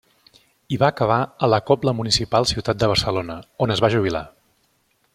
I va acabar a la Cobla Municipal Ciutat de Barcelona, on es va jubilar.